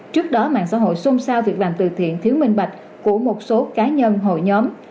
trước đó mạng xã hội xôn xao việc làm từ thiện thiếu minh bạch của một số cá nhân hội nhóm